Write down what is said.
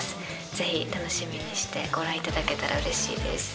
ぜひ楽しみにしてご覧いただけたらうれしいです。